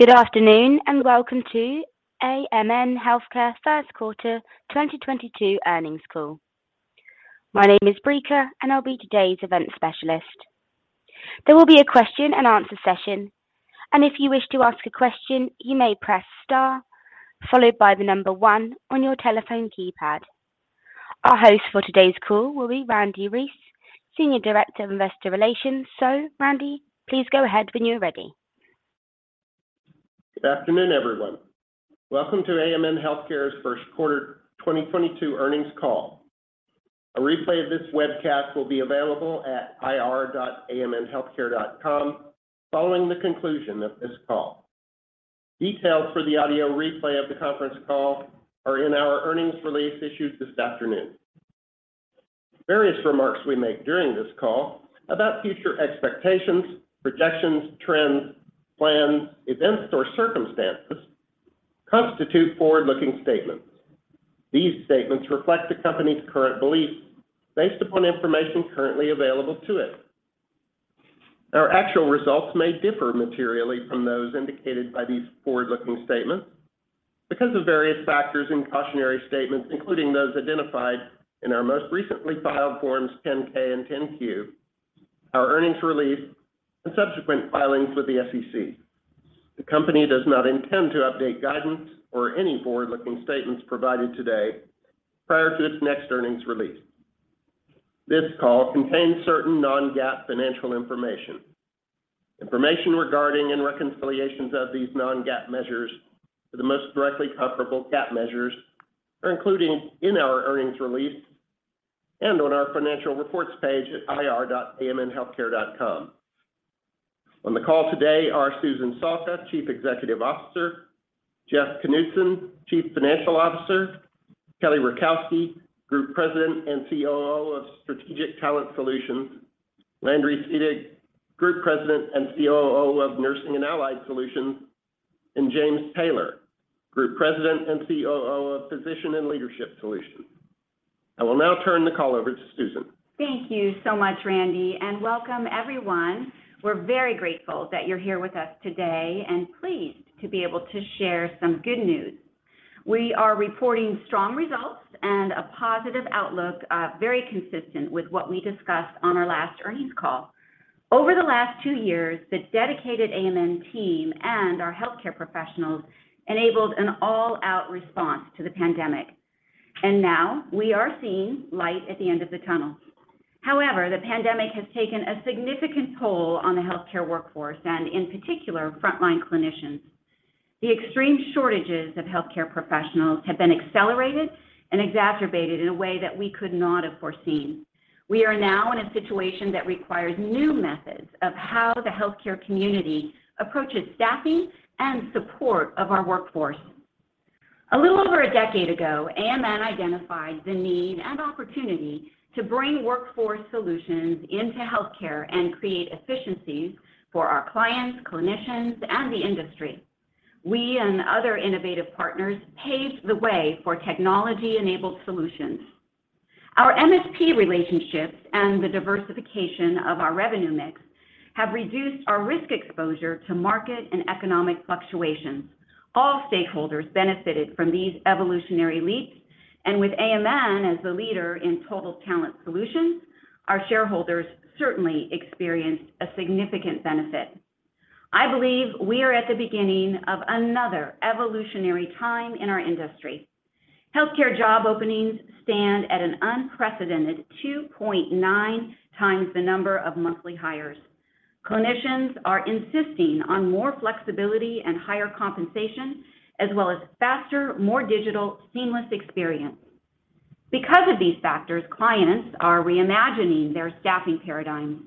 Good afternoon, and welcome to AMN Healthcare first quarter 2022 earnings call. My name is Brika and I'll be today's event specialist. There will be a question and answer session. If you wish to ask a question you may press Star followed by One on your telephone keypad. Our host for today's call will be Randle Reece, Senior Director of Investor Relations. Randy, please go ahead when you're ready. Good afternoon everyone. Welcome to AMN Healthcare's first quarter 2022 earnings call. A replay of this webcast will be available at ir.amnhealthcare.com following the conclusion of this call. Details for the audio replay of the conference call are in our earnings release issued this afternoon. Various remarks we make during this call about future expectations, projections, trends, plans, events, or circumstances constitute forward-looking statements. These statements reflect the company's current beliefs based upon information currently available to it. Our actual results may differ materially from those indicated by these forward-looking statements because of various factors and cautionary statements, including those identified in our most recently filed Forms 10-K and 10-Q, our earnings release, and subsequent filings with the SEC. The company does not intend to update guidance or any forward-looking statements provided today prior to its next earnings release. This call contains certain non-GAAP financial information. Information regarding and reconciliations of these non-GAAP measures to the most directly comparable GAAP measures are included in our earnings release and on our financial reports page at ir.amnhealthcare.com. On the call today are Susan Salka, Chief Executive Officer, Jeff Knudson, Chief Financial Officer, Kelly Rakowski, Group President and COO of Strategic Talent Solutions, Landry Seedig, Group President and COO of Nursing and Allied Solutions, and James Taylor, Group President and COO of Physician and Leadership Solutions. I will now turn the call over to Susan. Thank you so much, Randle, and welcome everyone. We're very grateful that you're here with us today and pleased to be able to share some good news. We are reporting strong results and a positive outlook, very consistent with what we discussed on our last earnings call. Over the last two years, the dedicated AMN team and our healthcare professionals enabled an all-out response to the pandemic. Now we are seeing light at the end of the tunnel. However, the pandemic has taken a significant toll on the healthcare workforce and in particular frontline clinicians. The extreme shortages of healthcare professionals have been accelerated and exacerbated in a way that we could not have foreseen. We are now in a situation that requires new methods of how the healthcare community approaches staffing and support of our workforce. A little over a decade ago, AMN identified the need and opportunity to bring workforce solutions into healthcare and create efficiencies for our clients, clinicians, and the industry. We and other innovative partners paved the way for technology-enabled solutions. Our MSP relationships and the diversification of our revenue mix have reduced our risk exposure to market and economic fluctuations. All stakeholders benefited from these evolutionary leaps. With AMN as the leader in total talent solutions, our shareholders certainly experienced a significant benefit. I believe we are at the beginning of another evolutionary time in our industry. Healthcare job openings stand at an unprecedented 2.9x the number of monthly hires. Clinicians are insisting on more flexibility and higher compensation, as well as faster, more digital seamless experience. Because of these factors, clients are reimagining their staffing paradigms.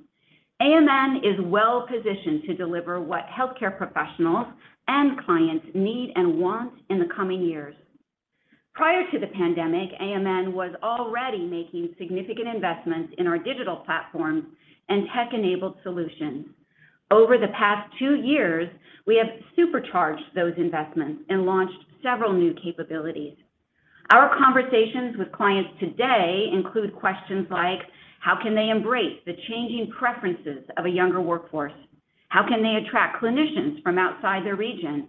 AMN is well positioned to deliver what healthcare professionals and clients need and want in the coming years. Prior to the pandemic, AMN was already making significant investments in our digital platforms and tech-enabled solutions. Over the past two years, we have supercharged those investments and launched several new capabilities. Our conversations with clients today include questions like, how can they embrace the changing preferences of a younger workforce? How can they attract clinicians from outside their region?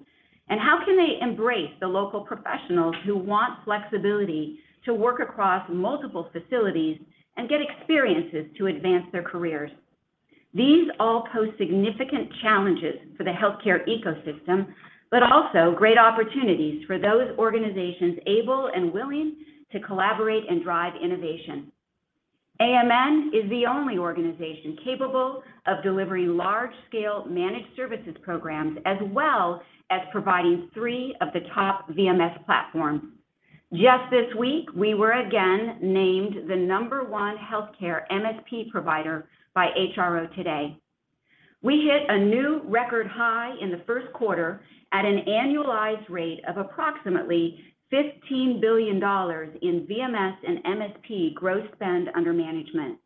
How can they embrace the local professionals who want flexibility to work across multiple facilities and get experiences to advance their careers? These all pose significant challenges for the healthcare ecosystem, but also great opportunities for those organizations able and willing to collaborate and drive innovation. AMN is the only organization capable of delivering large-scale managed services programs as well as providing three of the top VMS platforms. Just this week, we were again named the number one healthcare MSP provider by HRO Today. We hit a new record high in the first quarter at an annualized rate of approximately $15 billion in VMS and MSP gross spend under management.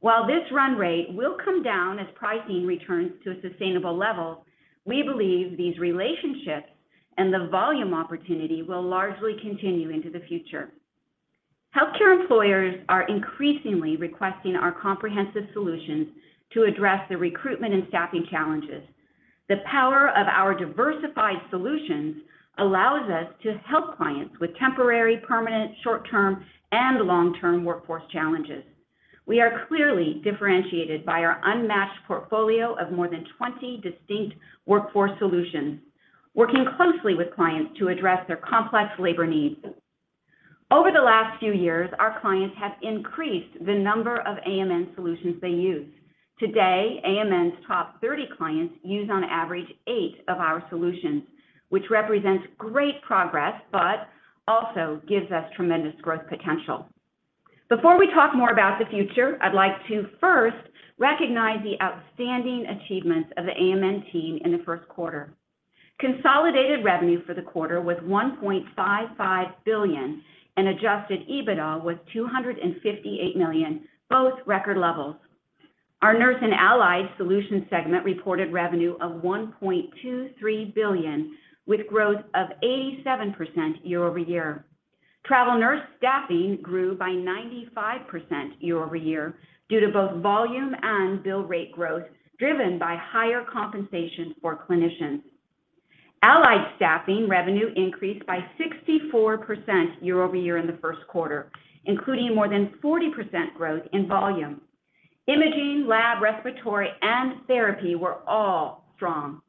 While this run rate will come down as pricing returns to a sustainable level, we believe these relationships and the volume opportunity will largely continue into the future. Healthcare employers are increasingly requesting our comprehensive solutions to address the recruitment and staffing challenges. The power of our diversified solutions allows us to help clients with temporary, permanent, short-term, and long-term workforce challenges. We are clearly differentiated by our unmatched portfolio of more than 20 distinct workforce solutions, working closely with clients to address their complex labor needs. Over the last few years, our clients have increased the number of AMN solutions they use. Today, AMN's top 30 clients use on average eight of our solutions, which represents great progress but also gives us tremendous growth potential. Before we talk more about the future, I'd like to first recognize the outstanding achievements of the AMN team in the first quarter. Consolidated revenue for the quarter was $1.55 billion, and Adjusted EBITDA was $258 million, both record levels. Our Nurse and Allied Solutions segment reported revenue of $1.23 billion, with growth of 87% year-over-year. Travel nurse staffing grew by 95% year-over-year due to both volume and bill rate growth, driven by higher compensation for clinicians. Allied staffing revenue increased by 64% year-over-year in the first quarter, including more than 40% growth in volume. Imaging, lab, respiratory, and therapy were all strong.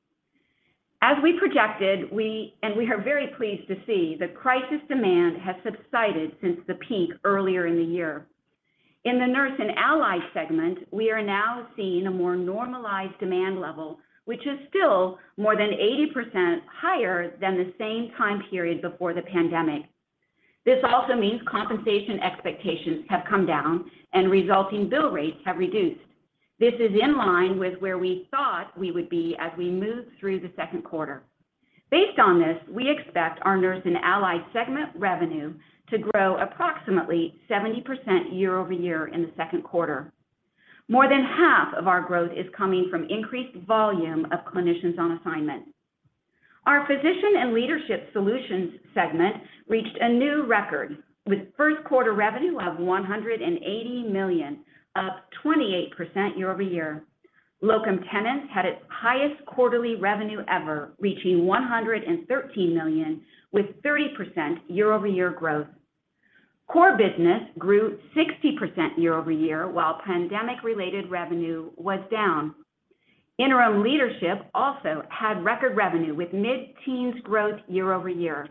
As we projected, we are very pleased to see the crisis demand has subsided since the peak earlier in the year. In the Nurse and Allied segment, we are now seeing a more normalized demand level, which is still more than 80% higher than the same time period before the pandemic. This also means compensation expectations have come down and resulting bill rates have reduced. This is in line with where we thought we would be as we move through the second quarter. Based on this, we expect our Nurse and Allied segment revenue to grow approximately 70% year-over-year in the second quarter. More than half of our growth is coming from increased volume of clinicians on assignment. Our Physician and Leadership Solutions segment reached a new record with first quarter revenue of $180 million, up 28% year-over-year. Locum tenens had its highest quarterly revenue ever, reaching $113 million with 30% year-over-year growth. Core business grew 60% year-over-year, while pandemic-related revenue was down. Interim leadership also had record revenue with mid-teens growth year-over-year.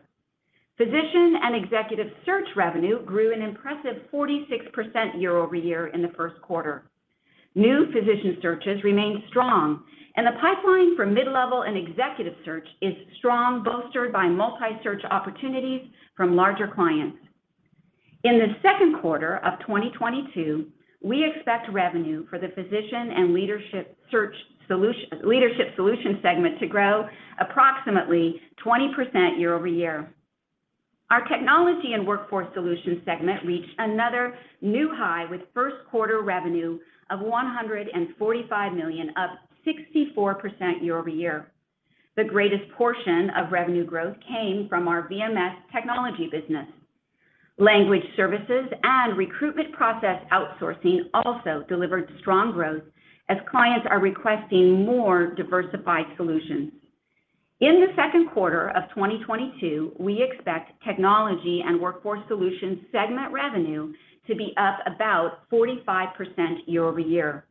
Physician and executive search revenue grew an impressive 46% year-over-year in the first quarter. New physician searches remained strong, and the pipeline for mid-level and executive search is strong, bolstered by multi-search opportunities from larger clients. In the second quarter of 2022, we expect revenue for the Physician and Leadership Solutions segment to grow approximately 20% year-over-year. Our Technology and Workforce Solutions segment reached another new high with first quarter revenue of $145 million, up 64% year-over-year. The greatest portion of revenue growth came from our VMS technology business. Language services and recruitment process outsourcing also delivered strong growth as clients are requesting more diversified solutions. In the second quarter of 2022, we expect Technology and Workforce Solutions segment revenue to be up about 45% year-over-year.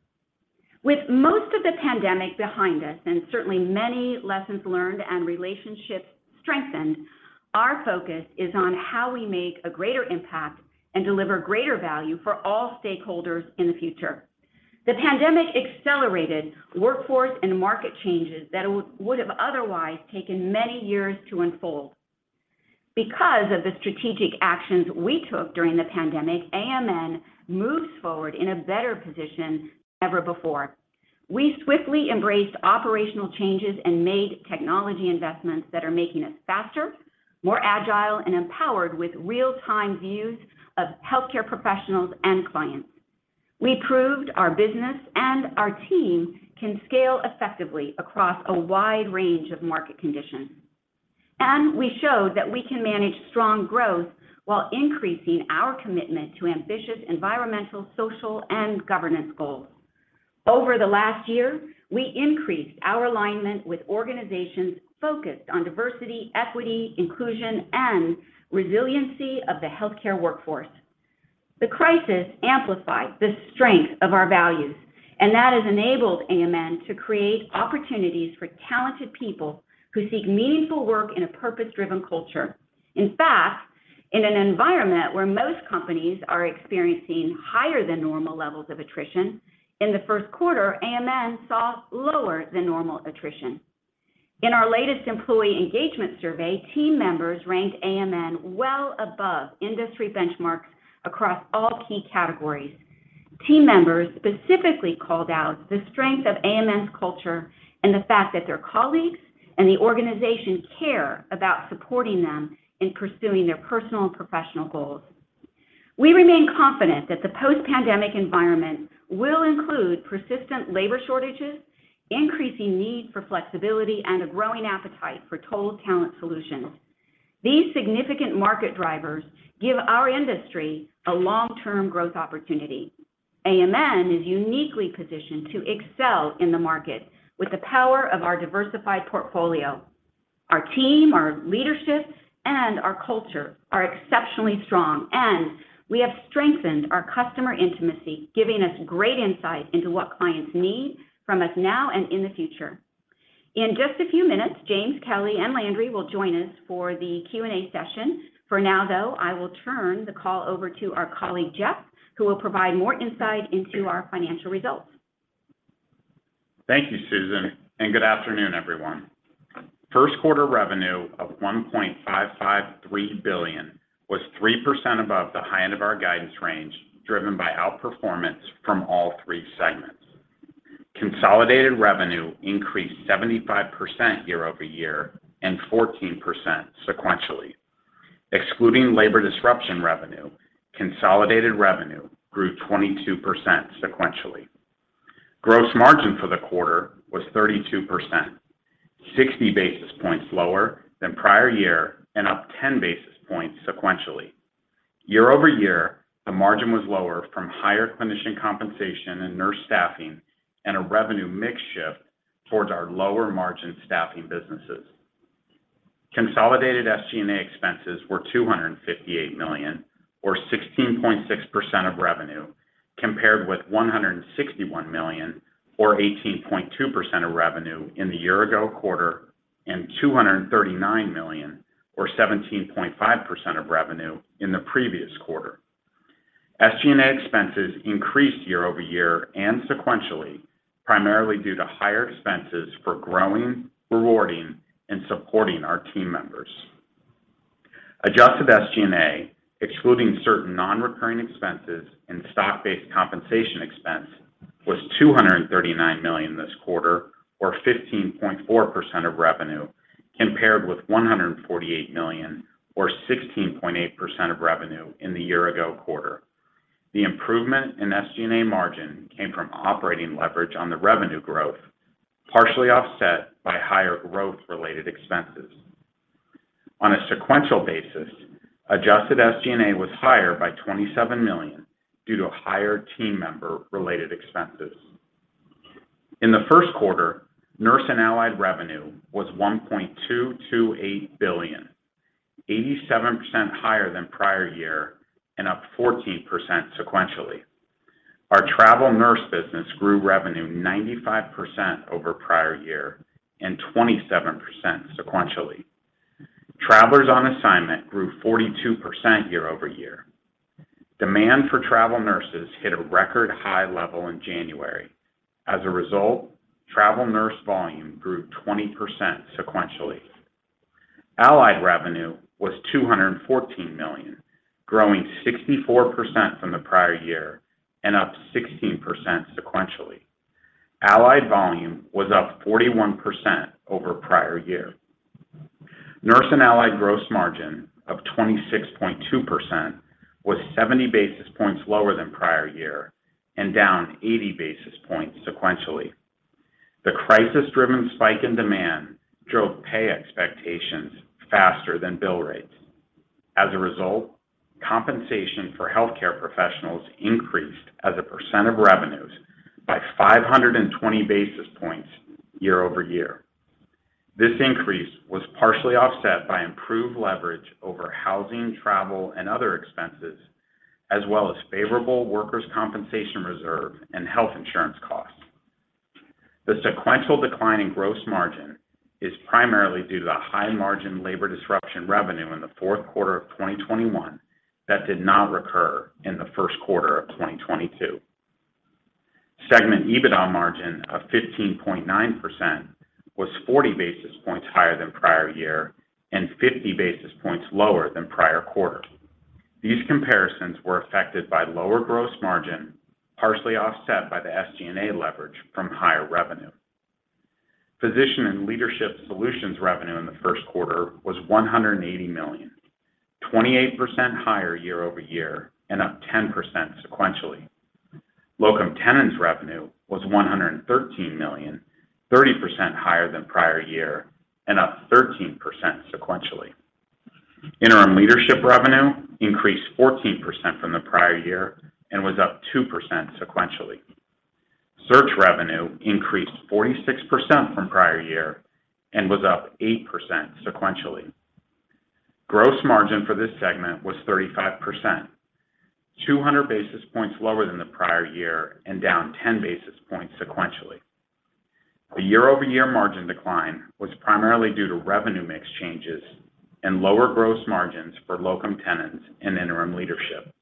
With most of the pandemic behind us, and certainly many lessons learned and relationships strengthened, our focus is on how we make a greater impact and deliver greater value for all stakeholders in the future. The pandemic accelerated workforce and market changes that would have otherwise taken many years to unfold. Because of the strategic actions we took during the pandemic, AMN moves forward in a better position than ever before. We swiftly embraced operational changes and made technology investments that are making us faster, more agile, and empowered with real-time views of healthcare professionals and clients. We proved our business and our team can scale effectively across a wide range of market conditions. We showed that we can manage strong growth while increasing our commitment to ambitious environmental, social, and governance goals. Over the last year, we increased our alignment with organizations focused on diversity, equity, inclusion, and resiliency of the healthcare workforce. The crisis amplified the strength of our values, and that has enabled AMN to create opportunities for talented people who seek meaningful work in a purpose-driven culture. In fact, in an environment where most companies are experiencing higher than normal levels of attrition, in the first quarter, AMN saw lower than normal attrition. In our latest employee engagement survey, team members ranked AMN well above industry benchmarks across all key categories. Team members specifically called out the strength of AMN's culture and the fact that their colleagues and the organization care about supporting them in pursuing their personal and professional goals. We remain confident that the post-pandemic environment will include persistent labor shortages, increasing need for flexibility, and a growing appetite for total talent solutions. These significant market drivers give our industry a long-term growth opportunity. AMN is uniquely positioned to excel in the market with the power of our diversified portfolio. Our team, our leadership, and our culture are exceptionally strong, and we have strengthened our customer intimacy, giving us great insight into what clients need from us now and in the future. In just a few minutes, James, Kelly, and Landry will join us for the Q&A session. For now, though, I will turn the call over to our colleague, Jeff Knudson, who will provide more insight into our financial results. Thank you, Susan, and good afternoon, everyone. First quarter revenue of $1.553 billion was 3% above the high end of our guidance range, driven by outperformance from all three segments. Consolidated revenue increased 75% year-over-year and 14% sequentially. Excluding labor disruption revenue, consolidated revenue grew 22% sequentially. Gross margin for the quarter was 32%, 60 basis points lower than prior year and up 10 basis points sequentially. Year-over-year, the margin was lower from higher clinician compensation and nurse staffing and a revenue mix shift towards our lower margin staffing businesses. Consolidated SG&A expenses were $258 million, or 16.6% of revenue, compared with $161 million or 18.2% of revenue in the year-ago quarter, and $239 million or 17.5% of revenue in the previous quarter. SG&A expenses increased year-over-year and sequentially, primarily due to higher expenses for growing, rewarding, and supporting our team members. Adjusted SG&A, excluding certain non-recurring expenses and stock-based compensation expense, was $239 million this quarter, or 15.4% of revenue, compared with $148 million or 16.8% of revenue in the year-ago quarter. The improvement in SG&A margin came from operating leverage on the revenue growth, partially offset by higher growth-related expenses. On a sequential basis, adjusted SG&A was higher by $27 million due to higher team member related expenses. In the first quarter, nurse and allied revenue was $1.228 billion, 87% higher than prior year and up 14% sequentially. Our travel nurse business grew revenue 95% over prior year and 27% sequentially. Travelers on assignment grew 42% year-over-year. Demand for travel nurses hit a record high level in January. As a result, travel nurse volume grew 20% sequentially. Allied revenue was $214 million, growing 64% from the prior year and up 16% sequentially. Allied volume was up 41% over prior year. Nurse and allied gross margin of 26.2% was 70 basis points lower than prior year and down 80 basis points sequentially. The crisis-driven spike in demand drove pay expectations faster than bill rates. As a result, compensation for healthcare professionals increased as a percent of revenues by 520 basis points year-over-year. This increase was partially offset by improved leverage over housing, travel, and other expenses, as well as favorable workers compensation reserve and health insurance costs. The sequential decline in gross margin is primarily due to the high margin labor disruption revenue in the fourth quarter of 2021 that did not recur in the first quarter of 2022. Segment EBITDA margin of 15.9% was 40 basis points higher than prior year and 50 basis points lower than prior quarter. These comparisons were affected by lower gross margin, partially offset by the SG&A leverage from higher revenue. Physician and Leadership Solutions revenue in the first quarter was $180 million, 28% higher year-over-year and up 10% sequentially. Locum tenens revenue was $113 million, 30% higher than prior year and up 13% sequentially. Interim leadership revenue increased 14% from the prior year and was up 2% sequentially. Search revenue increased 46% from prior year and was up 8% sequentially. Gross margin for this segment was 35%, 200 basis points lower than the prior year and down 10 basis points sequentially. The year-over-year margin decline was primarily due to revenue mix changes and lower gross margins for locum tenens and interim leadership.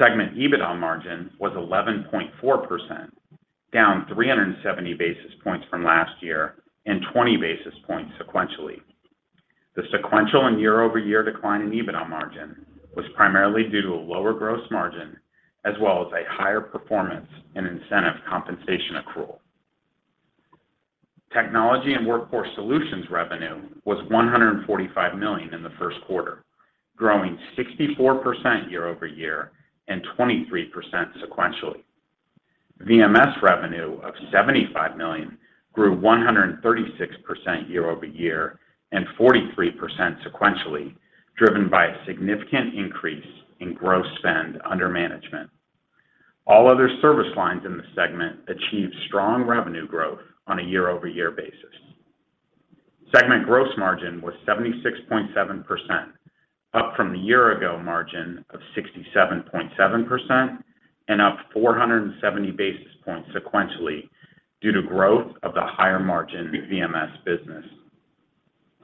Segment EBITDA margin was 11.4%, down 370 basis points from last year and 20 basis points sequentially. The sequential and year-over-year decline in EBITDA margin was primarily due to a lower gross margin, as well as a higher performance and incentive compensation accrual. Technology and Workforce Solutions revenue was $145 million in the first quarter, growing 64% year over year and 23% sequentially. VMS revenue of $75 million grew 136% year over year and 43% sequentially, driven by a significant increase in gross spend under management. All other service lines in the segment achieved strong revenue growth on a year-over-year basis. Segment gross margin was 76.7%, up from the year ago margin of 67.7% and up 470 basis points sequentially due to growth of the higher margin VMS business.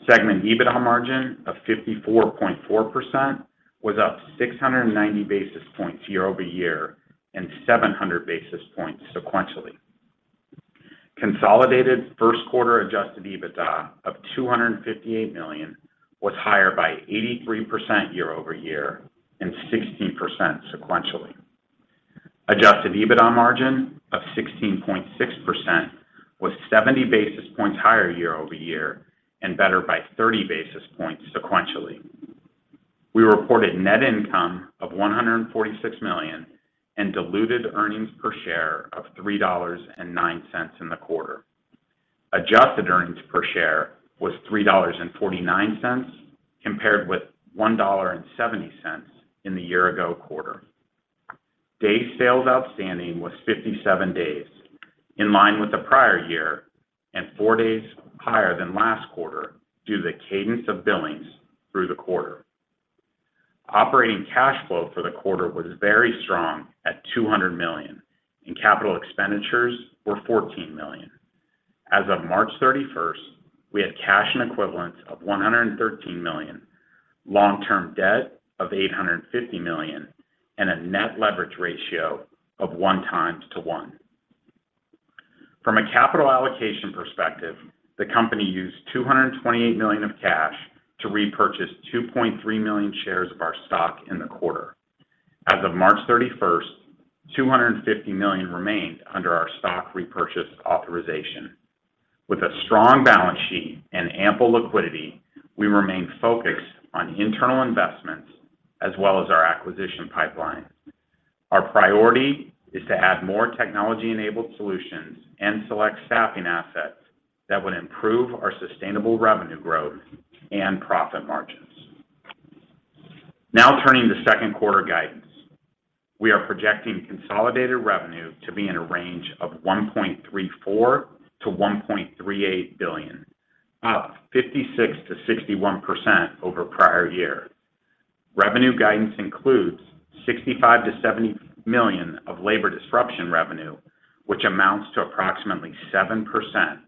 Segment EBITDA margin of 54.4% was up 690 basis points year-over-year and 700 basis points sequentially. Consolidated first quarter Adjusted EBITDA of $258 million was higher by 83% year-over-year and 16% sequentially. Adjusted EBITDA margin of 16.6% was 70 basis points higher year-over-year and better by 30 basis points sequentially. We reported net income of $146 million and diluted earnings per share of $3.09 in the quarter. Adjusted earnings per share was $3.49 compared with $1.70 in the year-ago quarter. Day sales outstanding was 57 days, in line with the prior year and four days higher than last quarter due to the cadence of billings through the quarter. Operating cash flow for the quarter was very strong at $200 million, and capital expenditures were $14 million. As of March 31st, we had cash and equivalents of $113 million, long-term debt of $850 million, and a net leverage ratio of 1x to 1. From a capital allocation perspective, the company used $228 million of cash to repurchase 2.3 million shares of our stock in the quarter. As of March 31st, $250 million remained under our stock repurchase authorization. With a strong balance sheet and ample liquidity, we remain focused on internal investments as well as our acquisition pipeline. Our priority is to add more technology-enabled solutions and select staffing assets that would improve our sustainable revenue growth and profit margins. Now turning to second quarter guidance. We are projecting consolidated revenue to be in a range of $1.34 billion-$1.38 billion, up 56%-61% over prior year. Revenue guidance includes $65 million-$70 million of labor disruption revenue, which amounts to approximately 7%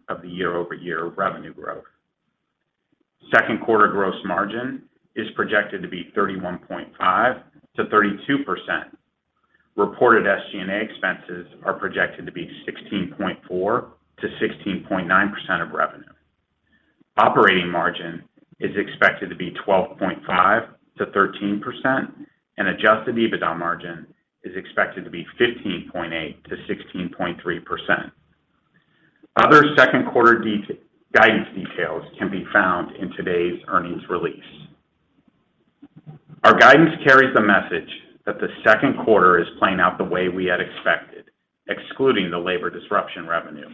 of the year-over-year revenue growth. Second quarter gross margin is projected to be 31.5%-32%. Reported SG&A expenses are projected to be 16.4%-16.9% of revenue. Operating margin is expected to be 12.5%-13%, and Adjusted EBITDA margin is expected to be 15.8%-16.3%. Other second quarter guidance details can be found in today's earnings release. Our guidance carries a message that the second quarter is playing out the way we had expected, excluding the labor disruption revenue.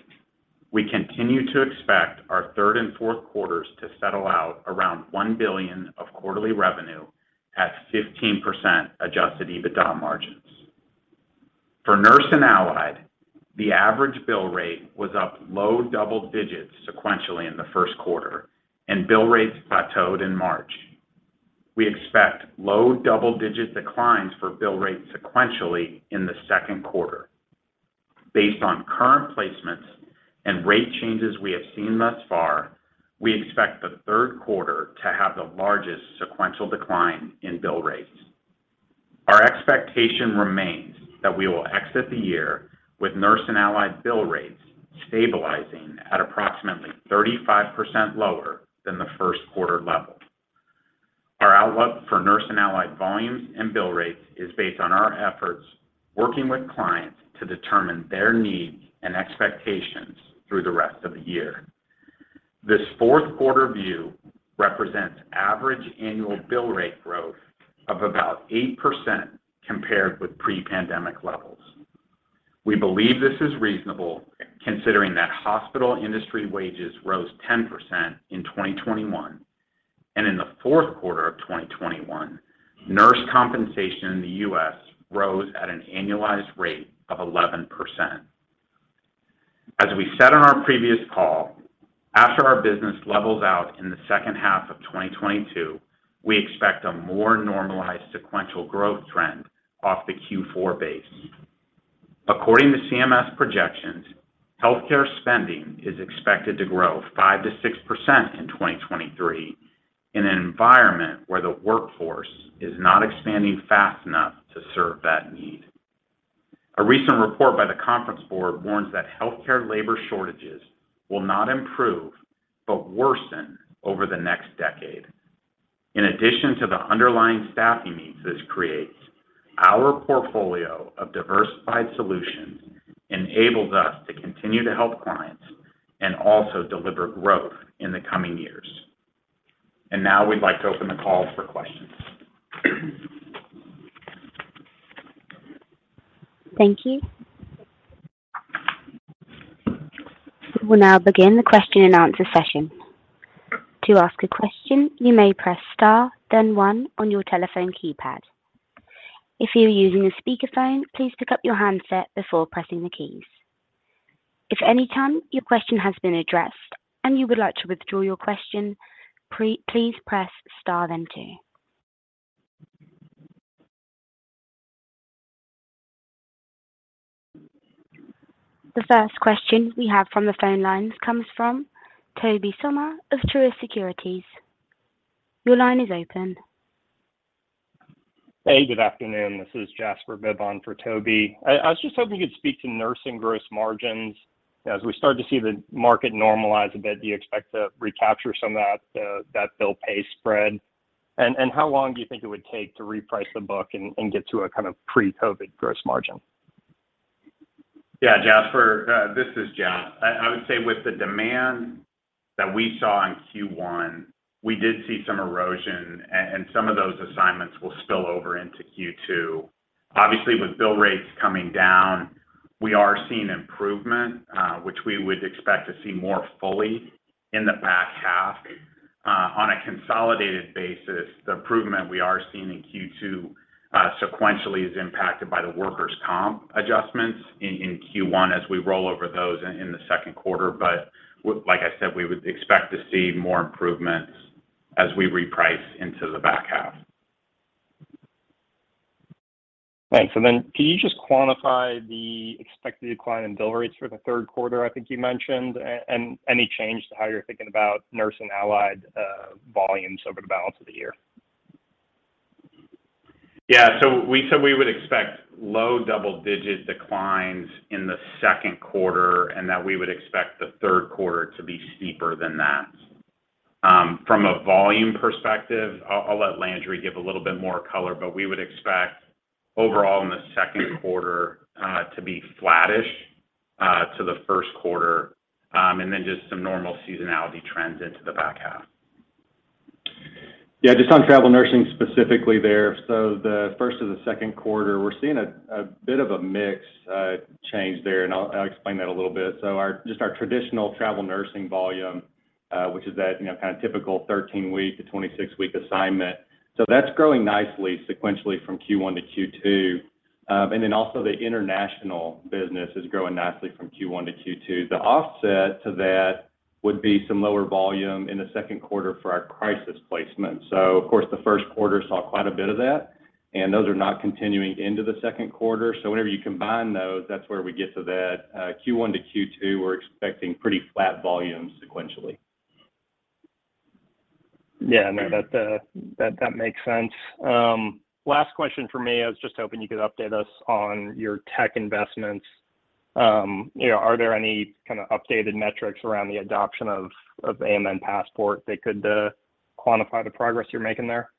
We continue to expect our third and fourth quarters to settle out around $1 billion of quarterly revenue at 15% Adjusted EBITDA margins. For Nurse and Allied, the average bill rate was up low double digits sequentially in the first quarter, and bill rates plateaued in March. We expect low double-digit declines for bill rates sequentially in the second quarter. Based on current placements and rate changes we have seen thus far, we expect the third quarter to have the largest sequential decline in bill rates. Our expectation remains that we will exit the year with Nurse and Allied bill rates stabilizing at approximately 35% lower than the first quarter level. Our outlook for Nurse and Allied volumes and bill rates is based on our efforts working with clients to determine their needs and expectations through the rest of the year. This fourth quarter view represents average annual bill rate growth of about 8% compared with pre-pandemic levels. We believe this is reasonable considering that hospital industry wages rose 10% in 2021, and in the fourth quarter of 2021, nurse compensation in the U.S. rose at an annualized rate of 11%. As we said on our previous call, after our business levels out in the second half of 2022, we expect a more normalized sequential growth trend off the Q4 base. According to CMS projections, healthcare spending is expected to grow 5%-6% in 2023 in an environment where the workforce is not expanding fast enough to serve that need. A recent report by The Conference Board warns that healthcare labor shortages will not improve but worsen over the next decade. In addition to the underlying staffing needs this creates, our portfolio of diversified solutions enables us to continue to help clients and also deliver growth in the coming years. Now we'd like to open the call for questions. Thank you. We'll now begin the question and answer session. To ask a question, you may press Star, then One on your telephone keypad. If you're using a speakerphone, please pick up your handset before pressing the keys. If at any time your question has been addressed and you would like to withdraw your question, please press Star then Two. The first question we have from the phone lines comes from Tobey Sommer of Truist Securities. Your line is open. Hey, good afternoon. This is Jasper Bibb for Tobey Sommer. I was just hoping you could speak to nursing gross margins. As we start to see the market normalize a bit, do you expect to recapture some of that bill pay spread? And how long do you think it would take to reprice the book and get to a kind of pre-COVID gross margin? Yeah, Jasper, this is Jeff. I would say with the demand that we saw in Q1, we did see some erosion and some of those assignments will spill over into Q2. Obviously, with bill rates coming down, we are seeing improvement, which we would expect to see more fully in the back half. On a consolidated basis, the improvement we are seeing in Q2 sequentially is impacted by the workers' comp adjustments in Q1 as we roll over those in the second quarter. Like I said, we would expect to see more improvements as we reprice into the back half. Thanks. Can you just quantify the expected decline in bill rates for the third quarter, I think you mentioned, and any change to how you're thinking about nursing allied volumes over the balance of the year? We would expect low double-digit declines in the second quarter, and that we would expect the third quarter to be steeper than that. From a volume perspective, I'll let Landry give a little bit more color, but we would expect overall in the second quarter to be flattish to the first quarter, and then just some normal seasonality trends into the back half. Yeah, just on travel nursing specifically there. The first half of the second quarter, we're seeing a bit of a mix change there, and I'll explain that a little bit. Our, just our traditional travel nursing volume, which is that, you know, kind of typical 13-week to 26-week assignment. That's growing nicely sequentially from Q1 to Q2. Then also the international business is growing nicely from Q1 to Q2. The offset to that would be some lower volume in the second quarter for our crisis placement. Of course, the first quarter saw quite a bit of that, and those are not continuing into the second quarter. Whenever you combine those, that's where we get to that, Q1 to Q2, we're expecting pretty flat volumes sequentially. Yeah, no, that makes sense. Last question from me, I was just hoping you could update us on your tech investments. You know, are there any kind of updated metrics around the adoption of AMN Passport that could quantify the progress you're making there?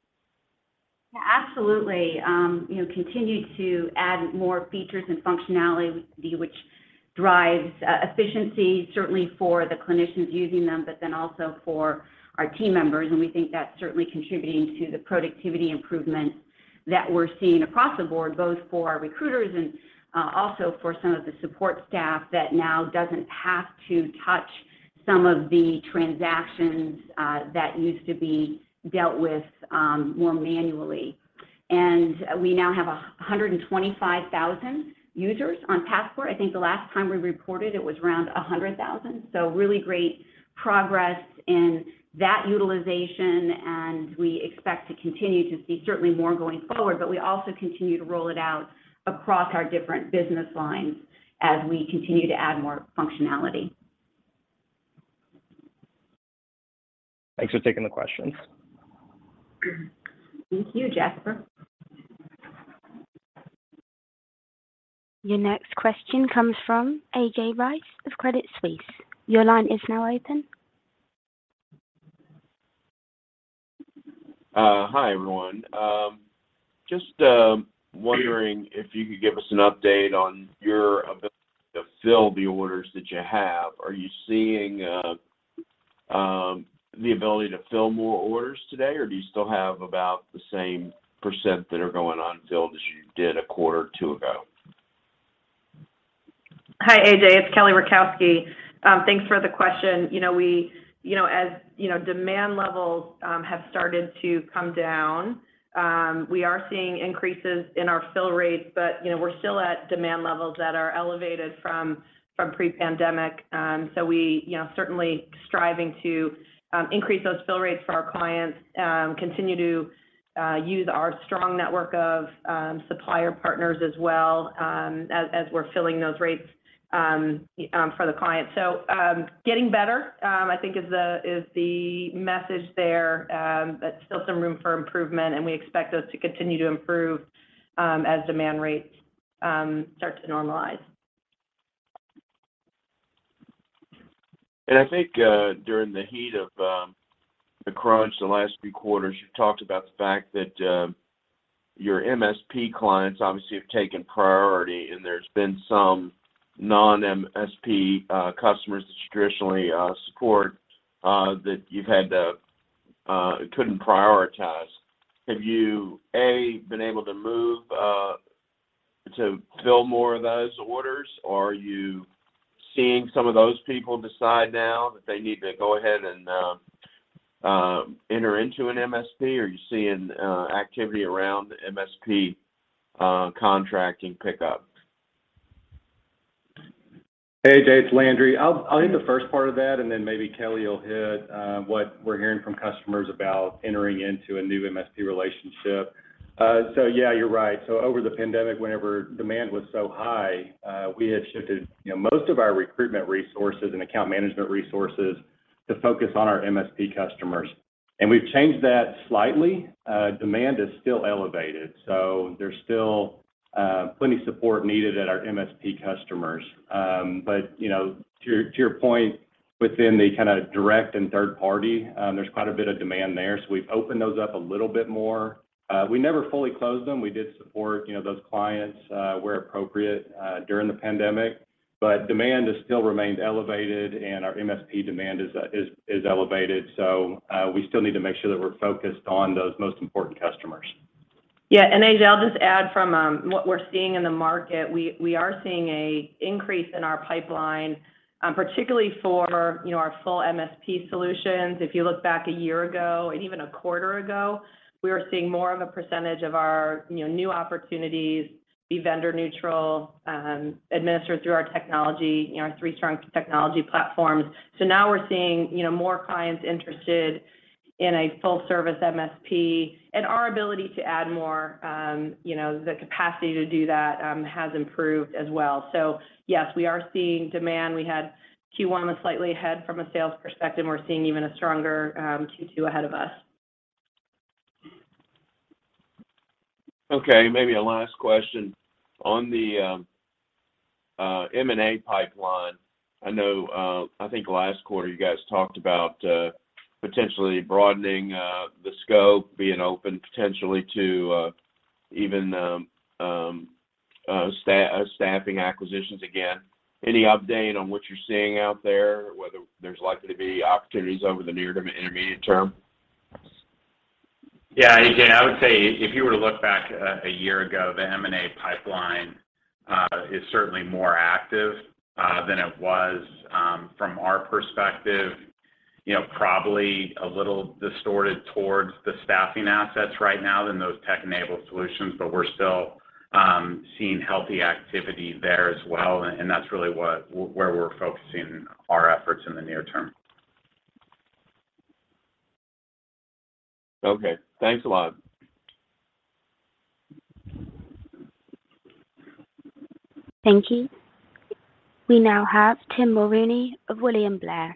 Yeah, absolutely. You know, continue to add more features and functionality which drives efficiency certainly for the clinicians using them, but then also for our team members. We think that's certainly contributing to the productivity improvement that we're seeing across the board, both for our recruiters and also for some of the support staff that now doesn't have to touch some of the transactions that used to be dealt with more manually. We now have 125,000 users on Passport. I think the last time we reported it was around 100,000. Really great progress in that utilization, and we expect to continue to see certainly more going forward. We also continue to roll it out across our different business lines as we continue to add more functionality. Thanks for taking the questions. Thank you, Jasper. Your next question comes from A.J. Rice of Credit Suisse. Your line is now open. Hi, everyone. Just wondering if you could give us an update on your ability to fill the orders that you have. Are you seeing the ability to fill more orders today, or do you still have about the same % that are going unfilled as you did a quarter or two ago? Hi, A.J. It's Kelly Rakowski. Thanks for the question. You know, as you know, demand levels have started to come down, we are seeing increases in our fill rates, but you know, we're still at demand levels that are elevated from pre-pandemic. We you know, certainly striving to increase those fill rates for our clients, continue to use our strong network of supplier partners as well, as we're filling those rates for the clients. Getting better, I think is the message there, but still some room for improvement, and we expect those to continue to improve, as demand rates start to normalize. I think during the heat of the crunch the last three quarters, you talked about the fact that your MSP clients obviously have taken priority, and there's been some non-MSP customers that traditionally support that you've had to couldn't prioritize. Have you, A, been able to move to fill more of those orders? Are you seeing some of those people decide now that they need to go ahead and enter into an MSP? Are you seeing activity around MSP contracting pick up? Hey, Jay, it's Landry. I'll hit the first part of that, and then maybe Kelly will hit what we're hearing from customers about entering into a new MSP relationship. Yeah, you're right. Over the pandemic, whenever demand was so high, we had shifted, you know, most of our recruitment resources and account management resources to focus on our MSP customers. We've changed that slightly. Demand is still elevated, so there's still plenty support needed at our MSP customers. You know, to your point, within the kind of direct and third party, there's quite a bit of demand there, so we've opened those up a little bit more. We never fully closed them. We did support, you know, those clients where appropriate during the pandemic. Demand has still remained elevated, and our MSP demand is elevated. We still need to make sure that we're focused on those most important customers. Yeah. A.J., I'll just add from what we're seeing in the market, we are seeing a increase in our pipeline, particularly for, you know, our full MSP solutions. If you look back a year ago and even a quarter ago, we were seeing more of a percentage of our, you know, new opportunities be vendor neutral, administered through our technology, you know, our three strong technology platforms. Now we're seeing, you know, more clients interested in a full service MSP, and our ability to add more, you know, the capacity to do that, has improved as well. Yes, we are seeing demand. We had Q1 was slightly ahead from a sales perspective, and we're seeing even a stronger Q2 ahead of us. Okay, maybe a last question. On the M&A pipeline, I know I think last quarter you guys talked about potentially broadening the scope, being open potentially to even staffing acquisitions again. Any update on what you're seeing out there, whether there's likely to be opportunities over the near to intermediate term? Yeah. Jay, I would say if you were to look back a year ago, the M&A pipeline is certainly more active than it was from our perspective. You know, probably a little distorted towards the staffing assets right now than those tech-enabled solutions, but we're still seeing healthy activity there as well, and that's really where we're focusing our efforts in the near term. Okay. Thanks a lot. Thank you. We now have Tim Mulrooney of William Blair.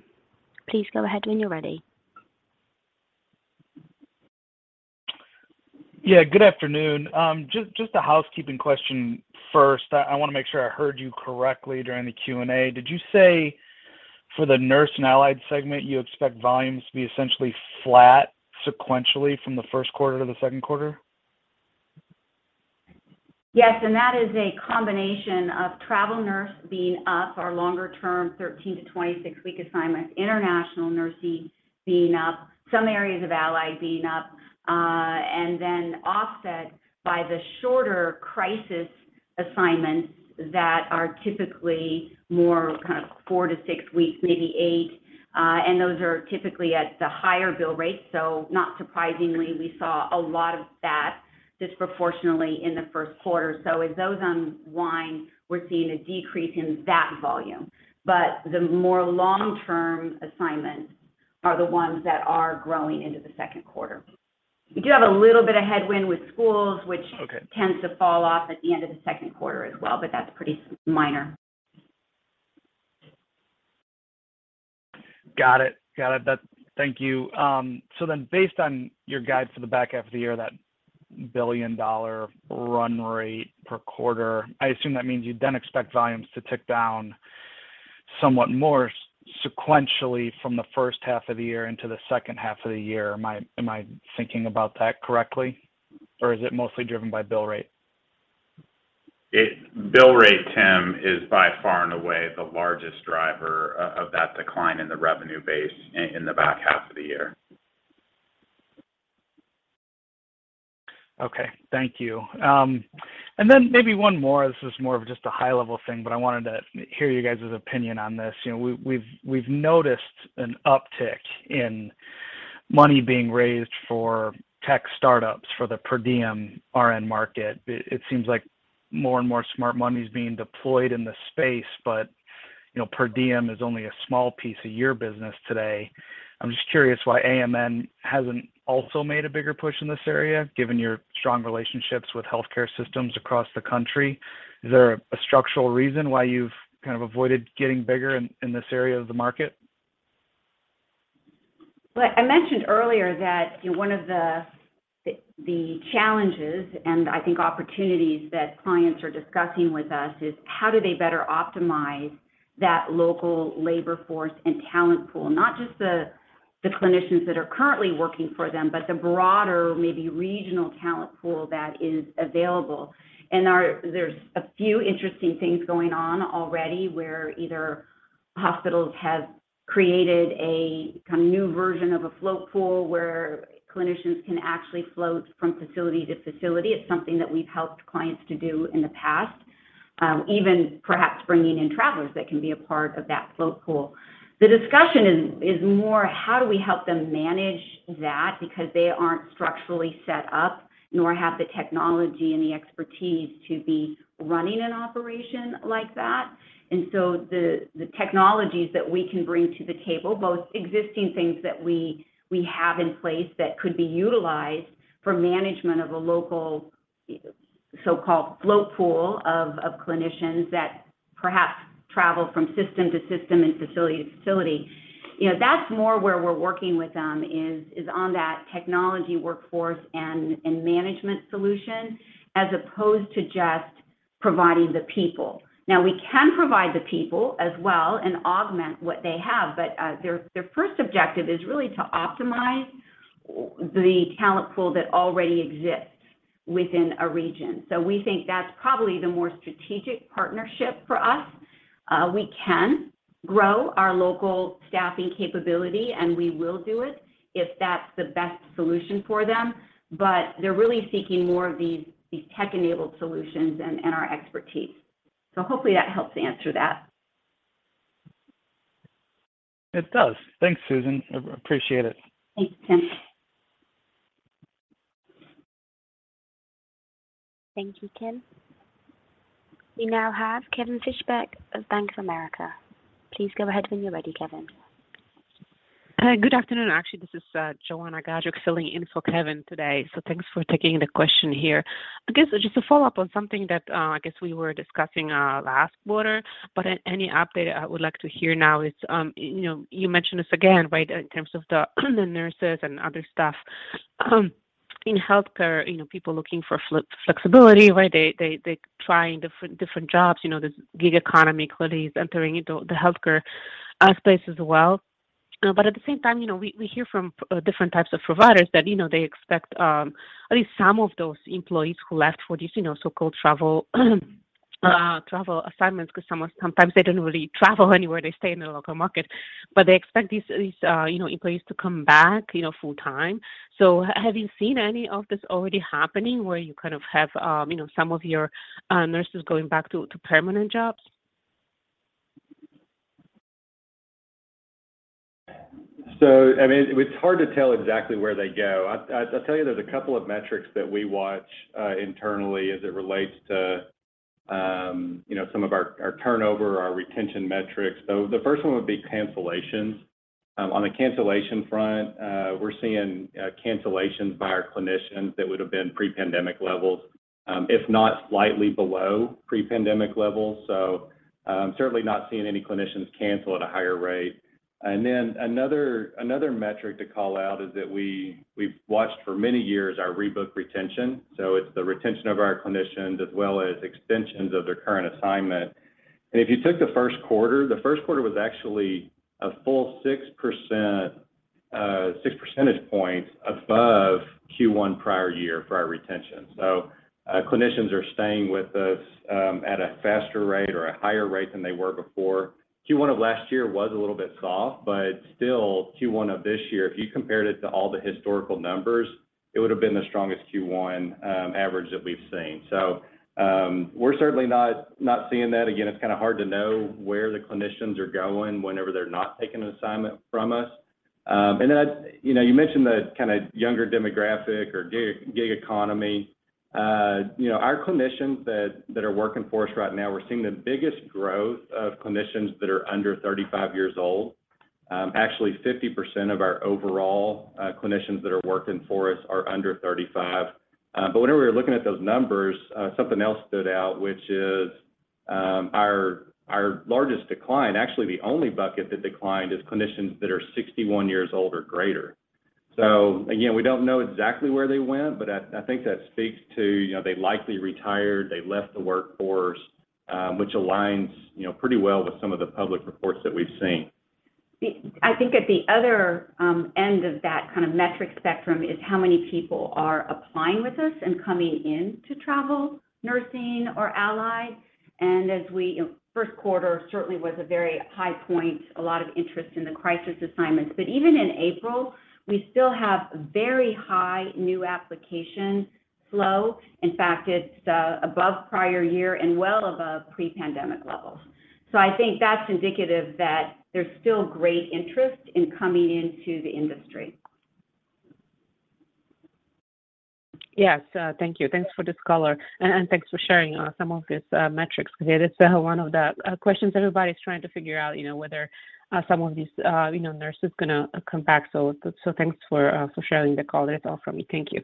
Please go ahead when you're ready. Yeah, good afternoon. Just a housekeeping question first. I wanna make sure I heard you correctly during the Q&A. Did you say for the Nurse and Allied segment, you expect volumes to be essentially flat sequentially from the first quarter to the second quarter? Yes, that is a combination of travel nurse being up, our longer term 13-26 week assignments, international nursing being up, some areas of allied being up, and then offset by the shorter crisis assignments that are typically more kind of four to six weeks, maybe eight. Those are typically at the higher bill rates. Not surprisingly, we saw a lot of that disproportionately in the first quarter. As those unwind, we're seeing a decrease in that volume. The more long-term assignments are the ones that are growing into the second quarter. We do have a little bit of headwind with schools, which- Okay Tends to fall off at the end of the second quarter as well, but that's pretty minor. Got it. Thank you. Based on your guide for the back half of the year, that billion-dollar run rate per quarter, I assume that means you then expect volumes to tick down somewhat more sequentially from the first half of the year into the second half of the year. Am I thinking about that correctly, or is it mostly driven by bill rate? Bill rate, Tim, is by far and away the largest driver of that decline in the revenue base in the back half of the year. Okay. Thank you. Maybe one more. This is more of just a high level thing, but I wanted to hear you guys' opinion on this. You know, we've noticed an uptick in money being raised for tech startups for the per diem RN market. It seems like more and more smart money is being deployed in the space, but, you know, per diem is only a small piece of your business today. I'm just curious why AMN hasn't also made a bigger push in this area, given your strong relationships with healthcare systems across the country. Is there a structural reason why you've kind of avoided getting bigger in this area of the market? I mentioned earlier that one of the challenges and I think opportunities that clients are discussing with us is how do they better optimize that local labor force and talent pool, not just the clinicians that are currently working for them, but the broader, maybe regional talent pool that is available. There's a few interesting things going on already where either hospitals have created a kind of new version of a float pool where clinicians can actually float from facility to facility. It's something that we've helped clients to do in the past, even perhaps bringing in travelers that can be a part of that float pool. The discussion is more how do we help them manage that because they aren't structurally set up nor have the technology and the expertise to be running an operation like that. The technologies that we can bring to the table, both existing things that we have in place that could be utilized for management of a local, so-called float pool of clinicians that perhaps travel from system to system and facility to facility. You know, that's more where we're working with them is on that technology workforce and management solution as opposed to just providing the people. Now we can provide the people as well and augment what they have. Their first objective is really to optimize the talent pool that already exists within a region. We think that's probably the more strategic partnership for us. We can grow our local staffing capability, and we will do it if that's the best solution for them. They're really seeking more of these tech-enabled solutions and our expertise. Hopefully that helps answer that. It does. Thanks, Susan. I appreciate it. Thanks, Tim. Thank you, Tim. We now have Kevin Fischbeck of Bank of America. Please go ahead when you're ready, Kevin. Good afternoon. Actually, this is Joanna Gajuk filling in for Kevin today. Thanks for taking the question here. I guess just a follow-up on something that I guess we were discussing last quarter, but any update I would like to hear now is, you know, you mentioned this again, right, in terms of the nurses and other staff in healthcare, you know, people looking for flexibility, right? They trying different jobs. You know, this gig economy clearly is entering into the healthcare space as well. At the same time, you know, we hear from different types of providers that, you know, they expect at least some of those employees who left for these, you know, so-called travel assignments, 'cause sometimes they don't really travel anywhere, they stay in the local market. They expect these you know employees to come back you know full-time. Have you seen any of this already happening where you kind of have you know some of your nurses going back to permanent jobs? I mean, it's hard to tell exactly where they go. I'll tell you there's a couple of metrics that we watch internally as it relates to you know, some of our our turnover, our retention metrics. The first one would be cancellations. On the cancellation front, we're seeing cancellations by our clinicians that would've been pre-pandemic levels, if not slightly below pre-pandemic levels. Certainly not seeing any clinicians cancel at a higher rate. Then another metric to call out is that we've watched for many years our rebook retention. It's the retention of our clinicians as well as extensions of their current assignment. If you took the first quarter, it was actually a full 6%, 6% above Q1 prior year for our retention. Clinicians are staying with us at a faster rate or a higher rate than they were before. Q1 of last year was a little bit soft, but still Q1 of this year, if you compared it to all the historical numbers, it would've been the strongest Q1 average that we've seen. We're certainly not seeing that. Again, it's kind of hard to know where the clinicians are going whenever they're not taking an assignment from us. Then, you know, you mentioned the kind of younger demographic or gig economy. You know, our clinicians that are working for us right now, we're seeing the biggest growth of clinicians that are under 35 years old. Actually, 50% of our overall clinicians that are working for us are under 35. Whenever we were looking at those numbers, something else stood out, which is our largest decline, actually the only bucket that declined is clinicians that are 61 years old or greater. Again, we don't know exactly where they went, but I think that speaks to, you know, they likely retired, they left the workforce, which aligns, you know, pretty well with some of the public reports that we've seen. I think at the other end of that kind of metric spectrum is how many people are applying with us and coming in to travel nursing or allied. First quarter certainly was a very high point, a lot of interest in the crisis assignments. Even in April, we still have very high new application flow. In fact, it's above prior year and well above pre-pandemic levels. I think that's indicative that there's still great interest in coming into the industry. Yes. Thank you. Thanks for this color, and thanks for sharing some of these metrics because it is one of the questions everybody's trying to figure out, you know, whether some of these you know nurses gonna come back. Thanks for sharing the color. That's all from me. Thank you.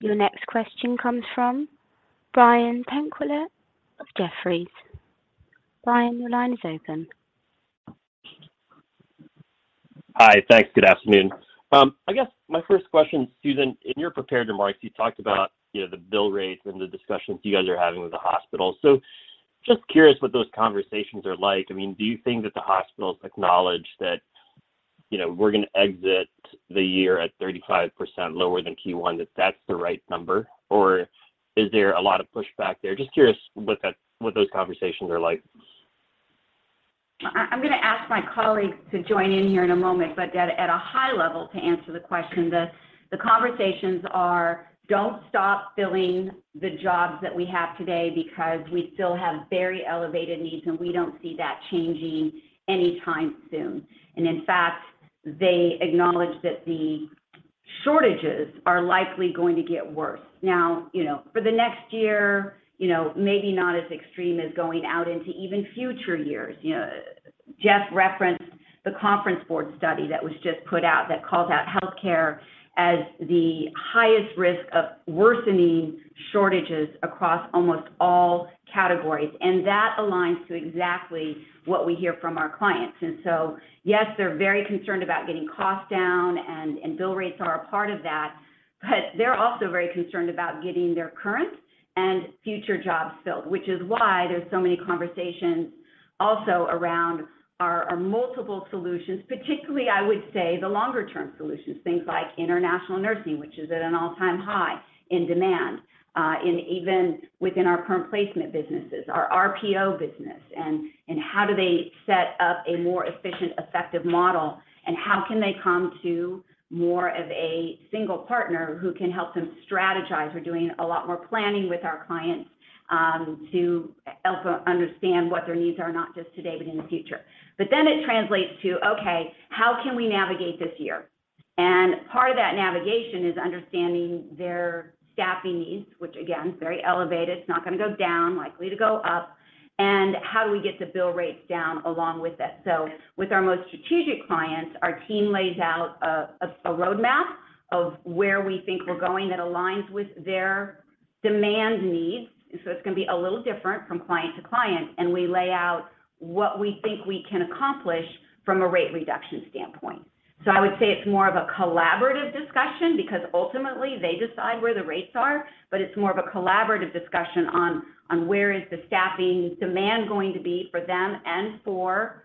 Your next question comes from Brian Tanquilut of Jefferies. Brian, your line is open. Hi. Thanks. Good afternoon. I guess my first question, Susan, in your prepared remarks, you talked about, you know, the bill rates and the discussions you guys are having with the hospital. Just curious what those conversations are like. I mean, do you think that the hospitals acknowledge that, you know, we're gonna exit the year at 35% lower than Q1, that that's the right number, or is there a lot of pushback there? Just curious what those conversations are like. I'm gonna ask my colleagues to join in here in a moment. At a high level, to answer the question, the conversations are, don't stop filling the jobs that we have today because we still have very elevated needs, and we don't see that changing anytime soon. In fact, they acknowledge that the shortages are likely going to get worse. Now, you know, for the next year, you know, maybe not as extreme as going out into even future years. You know, Jeff referenced The Conference Board study that was just put out that calls out healthcare as the highest risk of worsening shortages across almost all categories, and that aligns to exactly what we hear from our clients. Yes, they're very concerned about getting costs down, and bill rates are a part of that, but they're also very concerned about getting their current and future jobs filled. Which is why there's so many conversations also around our multiple solutions, particularly, I would say, the longer term solutions. Things like international nursing, which is at an all-time high in demand, in even within our perm placement businesses, our RPO business, and how do they set up a more efficient, effective model and how can they come to more of a single partner who can help them strategize. We're doing a lot more planning with our clients, to help understand what their needs are, not just today, but in the future. It translates to, okay, how can we navigate this year? Part of that navigation is understanding their staffing needs, which again, is very elevated. It's not gonna go down, likely to go up, and how do we get the bill rates down along with it. With our most strategic clients, our team lays out a roadmap of where we think we're going that aligns with their demand needs. It's gonna be a little different from client to client, and we lay out what we think we can accomplish from a rate reduction standpoint. I would say it's more of a collaborative discussion because ultimately they decide where the rates are, but it's more of a collaborative discussion on where is the staffing demand going to be for them and for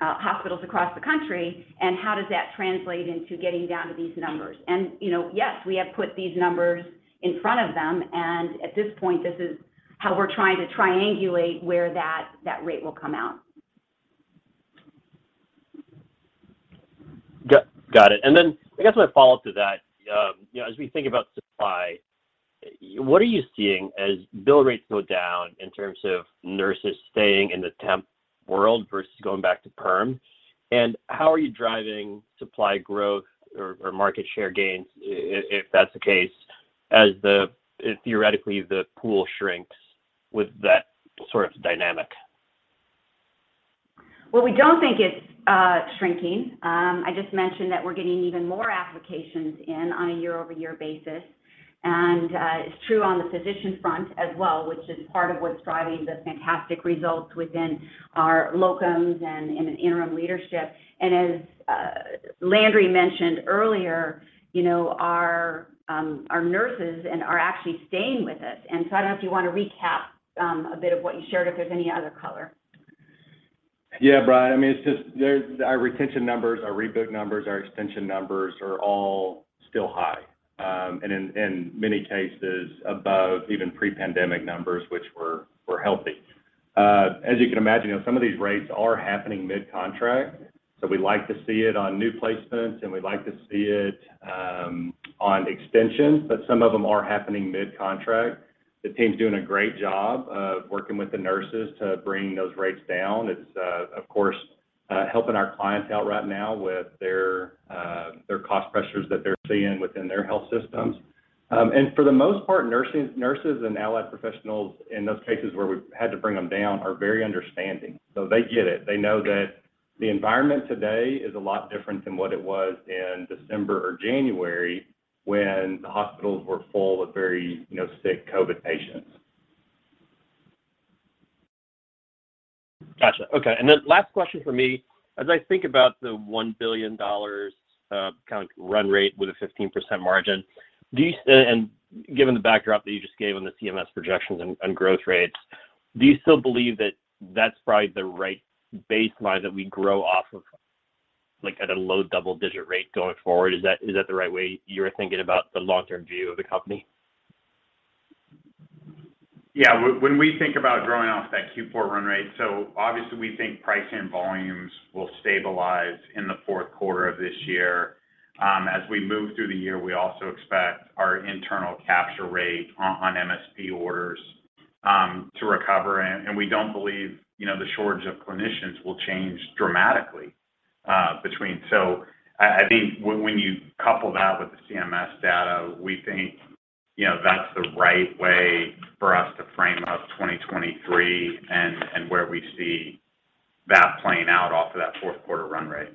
hospitals across the country, and how does that translate into getting down to these numbers. You know, yes, we have put these numbers in front of them, and at this point, this is how we're trying to triangulate where that rate will come out. Got it. I guess my follow-up to that, you know, as we think about supply, what are you seeing as bill rates go down in terms of nurses staying in the temp world versus going back to perm? How are you driving supply growth or market share gains, if that's the case, as theoretically the pool shrinks with that sort of dynamic? Well, we don't think it's shrinking. I just mentioned that we're getting even more applications in on a year-over-year basis. It's true on the physician front as well, which is part of what's driving the fantastic results within our locums and in an interim leadership. As Landry mentioned earlier, you know, our nurses and allied are actually staying with us. I don't know if you want to recap a bit of what you shared, if there's any other color. Yeah, Brian. I mean, it's just there's our retention numbers, our rebook numbers, our extension numbers are all still high, and in many cases above even pre-pandemic numbers, which were healthy. As you can imagine, you know, some of these rates are happening mid-contract, so we like to see it on new placements and we like to see it on extensions, but some of them are happening mid-contract. The team's doing a great job of working with the nurses to bring those rates down. It's of course helping our clients out right now with their cost pressures that they're seeing within their health systems. And for the most part, nurses and allied professionals in those cases where we've had to bring them down are very understanding. They get it. They know that the environment today is a lot different than what it was in December or January when the hospitals were full of very, you know, sick COVID patients. Gotcha. Okay. Last question from me. As I think about the $1 billion, kind of run rate with a 15% margin, do you and given the backdrop that you just gave on the CMS projections and growth rates, do you still believe that that's probably the right baseline that we grow off of, like, at a low double-digit rate going forward? Is that the right way you're thinking about the long-term view of the company? Yeah. When we think about growing off that Q4 run rate, so obviously we think pricing volumes will stabilize in the fourth quarter of this year. As we move through the year, we also expect our internal capture rate on MSP orders to recover. We don't believe, you know, the shortage of clinicians will change dramatically between. I think when you couple that with the CMS data, we think, you know, that's the right way for us to frame up 2023 and where we see That playing out off of that fourth quarter run rate.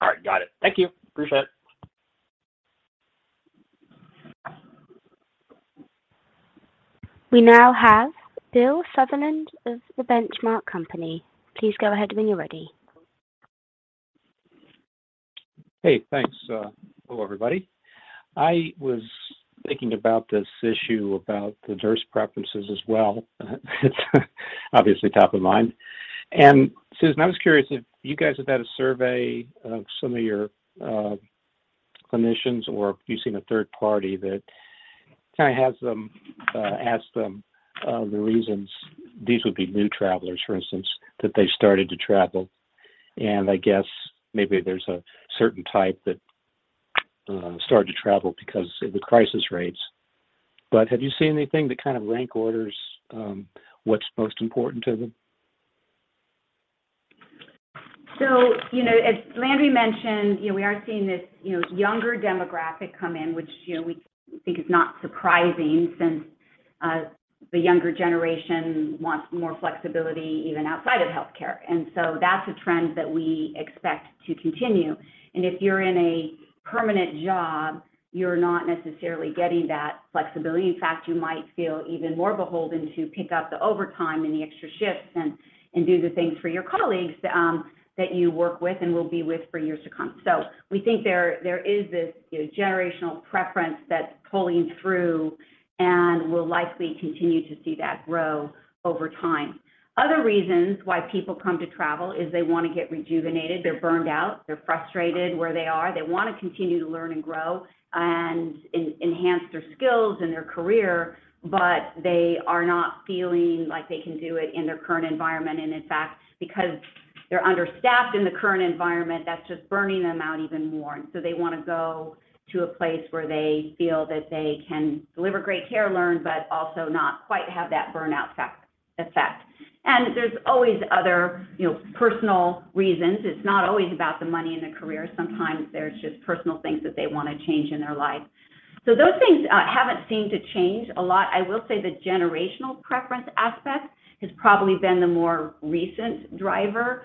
All right, got it. Thank you. Appreciate it. We now have Bill Sutherland of the Benchmark Company. Please go ahead when you're ready. Hey, thanks. Hello, everybody. I was thinking about this issue about the nurse preferences as well. It's obviously top of mind. Susan, I was curious if you guys have had a survey of some of your clinicians or if you've seen a third party that kind of has them ask them the reasons these would be new travelers, for instance, that they started to travel. I guess maybe there's a certain type that started to travel because of the crisis rates. Have you seen anything to kind of rank orders what's most important to them? You know, as Landry mentioned, you know, we are seeing this, you know, younger demographic come in which, you know, we think is not surprising since the younger generation wants more flexibility even outside of healthcare. That's a trend that we expect to continue. If you're in a permanent job, you're not necessarily getting that flexibility. In fact, you might feel even more beholden to pick up the overtime and the extra shifts and do the things for your colleagues that you work with and will be with for years to come. We think there is this, you know, generational preference that's pulling through and will likely continue to see that grow over time. Other reasons why people come to travel is they wanna get rejuvenated, they're burned out, they're frustrated where they are. They wanna continue to learn and grow and enhance their skills and their career, but they are not feeling like they can do it in their current environment. In fact, because they're understaffed in the current environment, that's just burning them out even more. They wanna go to a place where they feel that they can deliver great care, learn, but also not quite have that burnout effect. There's always other, you know, personal reasons. It's not always about the money and the career. Sometimes there's just personal things that they wanna change in their life. Those things haven't seemed to change a lot. I will say the generational preference aspect has probably been the more recent driver.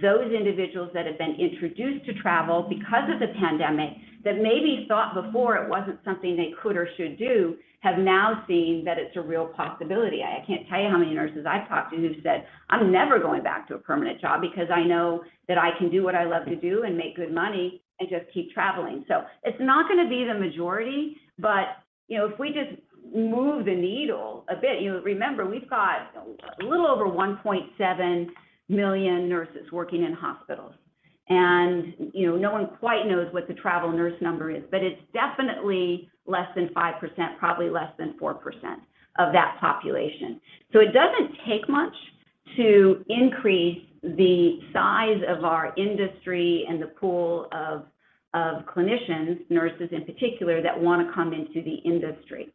Those individuals that have been introduced to travel because of the pandemic that maybe thought before it wasn't something they could or should do, have now seen that it's a real possibility. I can't tell you how many nurses I've talked to who've said, "I'm never going back to a permanent job because I know that I can do what I love to do and make good money and just keep traveling." It's not gonna be the majority, but you know, if we just move the needle a bit, you know. Remember, we've got a little over 1.7 million nurses working in hospitals and, you know, no one quite knows what the travel nurse number is, but it's definitely less than 5%, probably less than 4% of that population. It doesn't take much to increase the size of our industry and the pool of clinicians, nurses in particular, that wanna come into the industry.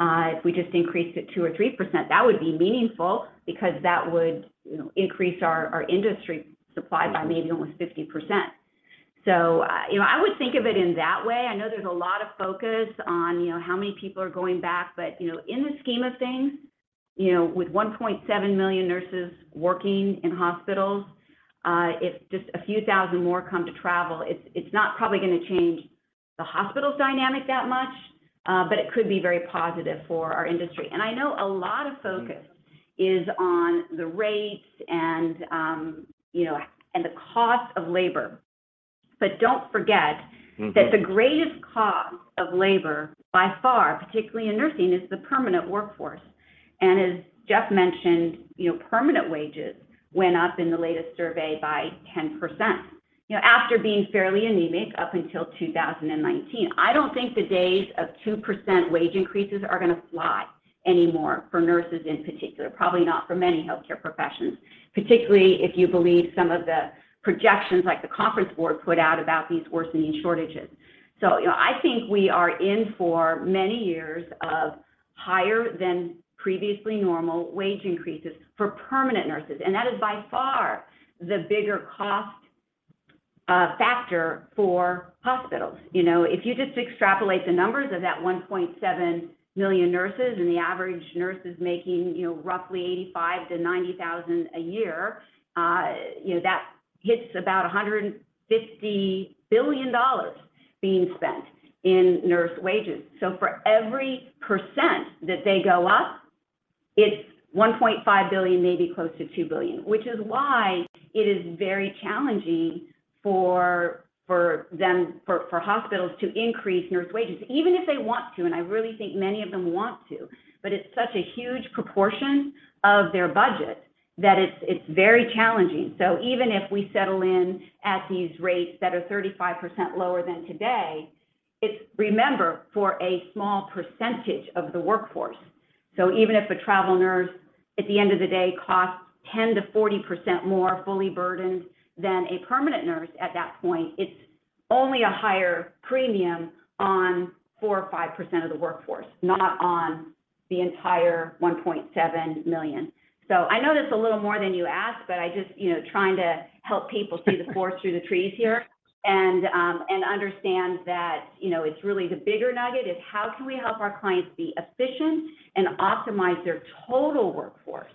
If we just increased it 2% or 3%, that would be meaningful because that would, you know, increase our industry supply by maybe almost 50%. You know, I would think of it in that way. I know there's a lot of focus on, you know, how many people are going back. You know, in the scheme of things, you know, with 1.7 million nurses working in hospitals, if just a few thousand more come to travel, it's not probably gonna change the hospital's dynamic that much, but it could be very positive for our industry. I know a lot of focus is on the rates and, you know, and the cost of labor. Don't forget- Mm-hmm That the greatest cost of labor by far, particularly in nursing, is the permanent workforce. As Jeff mentioned, you know, permanent wages went up in the latest survey by 10%, you know, after being fairly anemic up until 2019. I don't think the days of 2% wage increases are gonna fly anymore for nurses in particular. Probably not for many healthcare professions, particularly if you believe some of the projections like the Conference Board put out about these worsening shortages. You know, I think we are in for many years of higher than previously normal wage increases for permanent nurses, and that is by far the bigger cost factor for hospitals. You know, if you just extrapolate the numbers of that 1.7 million nurses and the average nurse is making, you know, roughly $85,000-$90,000 a year, that hits about $150 billion being spent in nurse wages. For every percent that they go up, it's $1.5 billion, maybe close to $2 billion. Which is why it is very challenging for them, for hospitals to increase nurse wages even if they want to, and I really think many of them want to, but it's such a huge proportion of their budget that it's very challenging. Even if we settle in at these rates that are 35% lower than today, it's, remember, for a small percentage of the workforce. Even if a travel nurse at the end of the day costs 10%-40% more fully burdened than a permanent nurse at that point, it's only a higher premium on 4% or 5% of the workforce, not on the entire 1.7 million. I know that's a little more than you asked, but I just, you know, trying to help people see the forest through the trees here and understand that, you know, it's really the bigger nugget is how can we help our clients be efficient and optimize their total workforce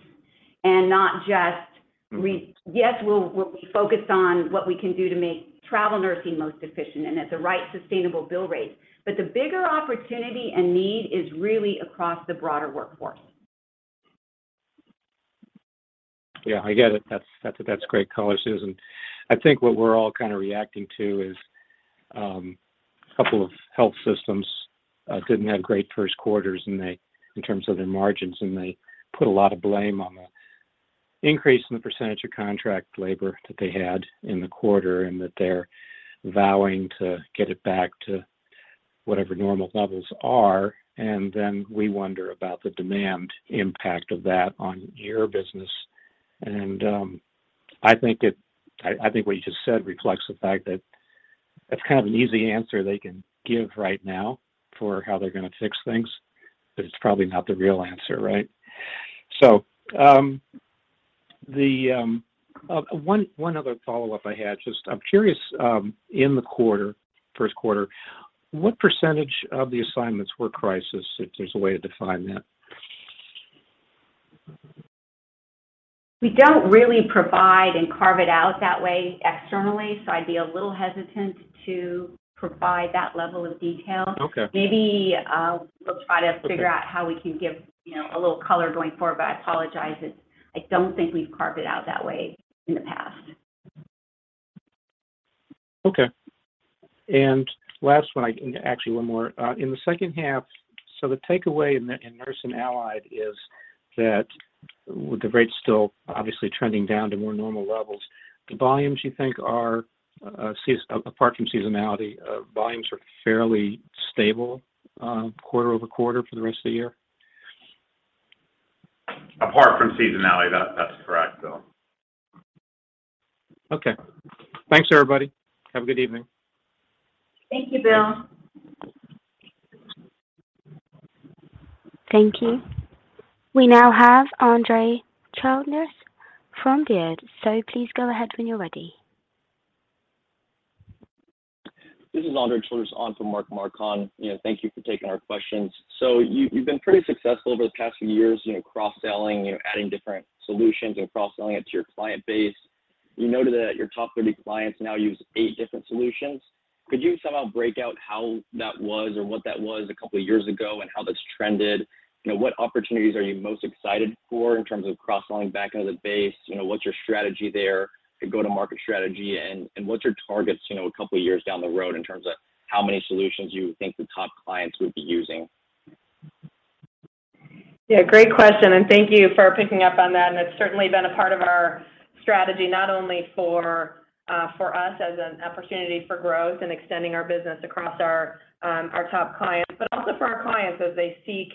and not just. Yes, we'll be focused on what we can do to make travel nursing most efficient and at the right sustainable bill rate. But the bigger opportunity and need is really across the broader workforce. Yeah, I get it. That's a great color, Susan. I think what we're all kind of reacting to is a couple of health systems didn't have great first quarters, and they, in terms of their margins, and they put a lot of blame on the increase in the percentage of contract labor that they had in the quarter, and that they're vowing to get it back to whatever normal levels are. Then we wonder about the demand impact of that on your business. I think what you just said reflects the fact that it's kind of an easy answer they can give right now for how they're gonna fix things, but it's probably not the real answer, right? One other follow-up I had, just I'm curious, in the quarter, first quarter, what percentage of the assignments were crisis, if there's a way to define that? We don't really provide and carve it out that way externally, so I'd be a little hesitant to provide that level of detail. Okay. Maybe we'll try to. Okay. Figure out how we can give, you know, a little color going forward, but I apologize. It. I don't think we've carved it out that way in the past. Okay. Last one. Actually one more. In the second half, the takeaway in Nurse and Allied is that with the rates still obviously trending down to more normal levels, the volumes you think are apart from seasonality, volumes are fairly stable quarter-over-quarter for the rest of the year? Apart from seasonality, that's correct, Bill. Okay. Thanks, everybody. Have a good evening. Thank you, Bill. Thank you. We now have Andre Childress from Baird. Please go ahead when you're ready. This is Andre Childress on for Mark Marcon. You know, thank you for taking our questions. You've been pretty successful over the past few years, you know, cross-selling, you know, adding different solutions and cross-selling it to your client base. You noted that your top 30 clients now use eight different solutions. Could you somehow break out how that was or what that was a couple of years ago and how that's trended? You know, what opportunities are you most excited for in terms of cross-selling back into the base? You know, what's your strategy there, the go-to-market strategy? What's your targets, you know, a couple of years down the road in terms of how many solutions you think the top clients would be using? Yeah, great question, and thank you for picking up on that. It's certainly been a part of our strategy, not only for us as an opportunity for growth and extending our business across our top clients, but also for our clients as they seek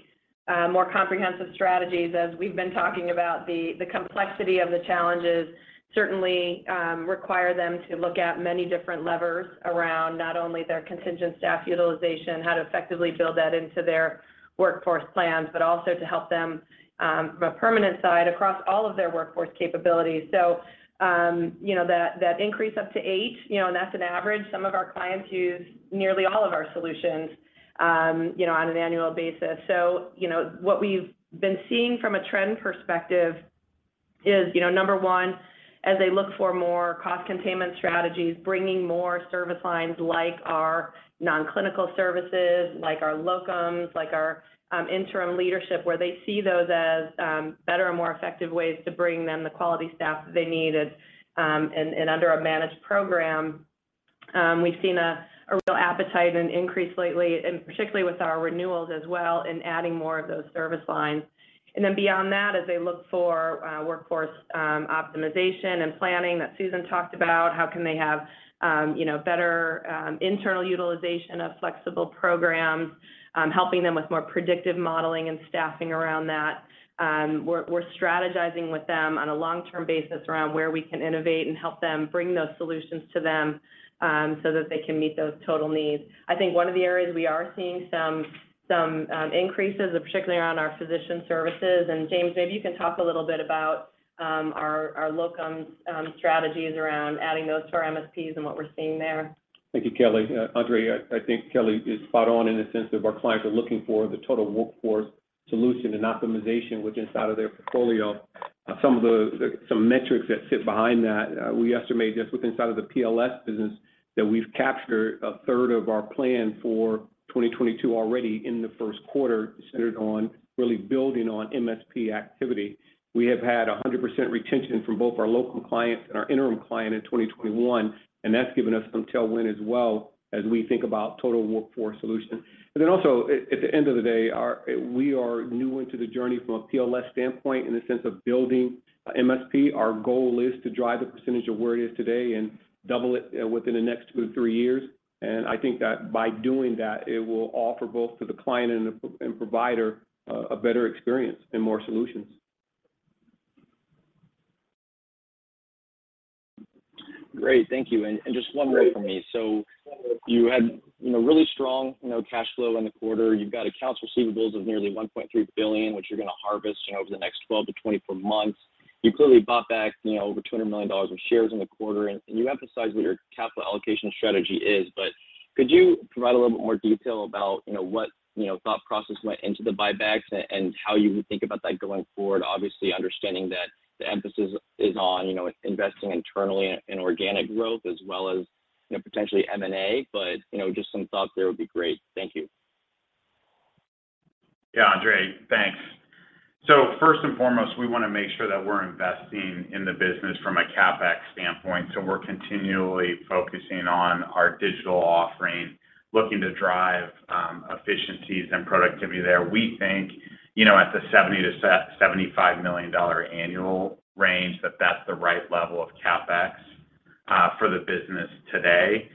more comprehensive strategies. As we've been talking about, the complexity of the challenges certainly require them to look at many different levers around not only their contingent staff utilization, how to effectively build that into their workforce plans, but also to help them from a permanent side across all of their workforce capabilities. You know, that increase up to eight, you know, and that's an average. Some of our clients use nearly all of our solutions, you know, on an annual basis. You know, what we've been seeing from a trend perspective is, you know, number one, as they look for more cost containment strategies, bringing more service lines like our non-clinical services, like our locums, like our interim leadership, where they see those as better and more effective ways to bring them the quality staff that they need, and under a managed program, we've seen a real appetite and increase lately, and particularly with our renewals as well in adding more of those service lines. Beyond that, as they look for workforce optimization and planning that Susan talked about, how can they have you know better internal utilization of flexible programs, helping them with more predictive modeling and staffing around that, we're strategizing with them on a long-term basis around where we can innovate and help them bring those solutions to them, so that they can meet those total needs. I think one of the areas we are seeing some increases, particularly around our physician services, and James, maybe you can talk a little bit about our locum strategies around adding those to our MSPs and what we're seeing there. Thank you, Kelly. Andre, I think Kelly is spot on in the sense that our clients are looking for the total workforce solution and optimization inside of their portfolio. Some metrics that sit behind that, we estimate just inside of the PLS business that we've captured a third of our plan for 2022 already in the first quarter centered on really building on MSP activity. We have had 100% retention from both our local clients and our interim client in 2021, and that's given us some tailwind as well as we think about total workforce solution. Also at the end of the day, we are new into the journey from a PLS standpoint in the sense of building MSP. Our goal is to drive the percentage of where it is today and double it within the next two to three years. I think that by doing that, it will offer both to the client and the provider a better experience and more solutions. Great. Thank you. Just one more from me. You had, you know, really strong, you know, cash flow in the quarter. You've got accounts receivables of nearly $1.3 billion, which you're gonna harvest, you know, over the next 12-24 months. You clearly bought back, you know, over $200 million of shares in the quarter, and you emphasized what your capital allocation strategy is. Could you provide a little bit more detail about, you know, what, you know, thought process went into the buybacks and how you would think about that going forward? Obviously, understanding that the emphasis is on, you know, investing internally in organic growth as well as, you know, potentially M&A. You know, just some thoughts there would be great. Thank you. Yeah, Andre, thanks. First and foremost, we wanna make sure that we're investing in the business from a CapEx standpoint. We're continually focusing on our digital offering, looking to drive efficiencies and productivity there. We think, you know, at the $70 million-$75 million annual range, that that's the right level of CapEx for the business today.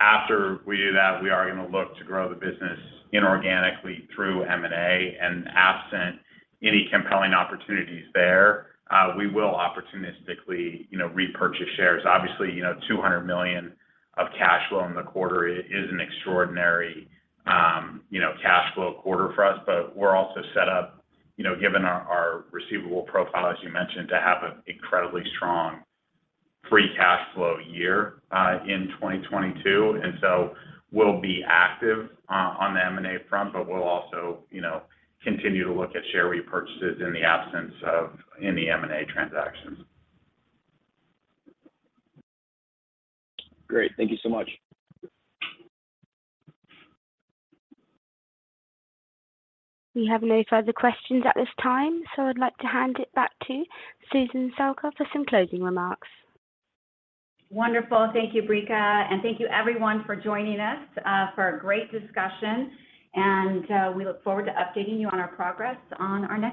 After we do that, we are gonna look to grow the business inorganically through M&A. Absent any compelling opportunities there, we will opportunistically, you know, repurchase shares. Obviously, you know, $200 million of cash flow in the quarter is an extraordinary, you know, cash flow quarter for us. We're also set up, you know, given our receivable profile, as you mentioned, to have an incredibly strong free cash flow year in 2022. We'll be active on the M&A front, but we'll also, you know, continue to look at share repurchases in the absence of any M&A transactions. Great. Thank you so much. We have no further questions at this time, so I'd like to hand it back to Susan Salka for some closing remarks. Wonderful. Thank you, Brika, and thank you everyone for joining us for a great discussion. We look forward to updating you on our progress on our next earnings call.